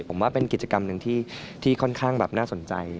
ผมว่าเป็นกิจกรรมหนึ่งที่ค่อนข้างแบบน่าสนใจ